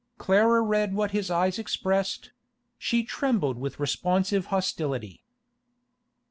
Clara read what his eyes expressed; she trembled with responsive hostility.